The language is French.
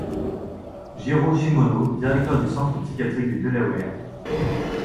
Jiro Shimono, directeur du centre psychiatrique du Delaware.